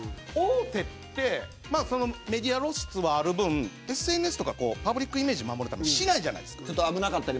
大手ってメディア露出はある分、ＳＮＳとかパブリックイメージを守るためしないじゃないですか。